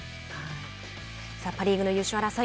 さあ、パ・リーグの優勝争い